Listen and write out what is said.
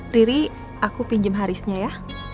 riri aku pinjam harisnya ya